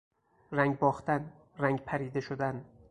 رنگ باختن، رنگ پریده شدن